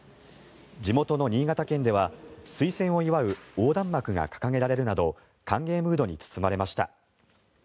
地元の新潟県では推薦を祝う横断幕が掲げられるなど歓迎ムードに包まれました。